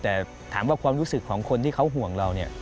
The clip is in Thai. แต่ถามว่าความรู้สึกของคนที่เขาห่วงเราเนี่ย